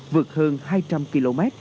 vượt hơn hai trăm linh km